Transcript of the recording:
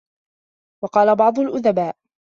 وَقَالَ بَعْضُ الْأُدَبَاءُ